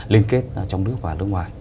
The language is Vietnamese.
liên kết trong nước và nước ngoài